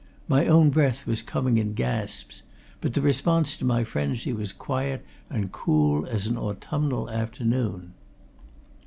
My own breath was coming in gasps but the response to my frenzy was quiet and cool as an autumnal afternoon.